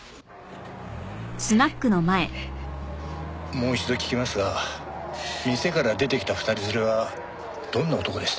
もう一度聞きますが店から出てきた二人連れはどんな男でした？